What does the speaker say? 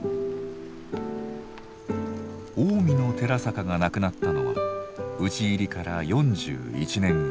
近江の寺坂が亡くなったのは討ち入りから４１年後。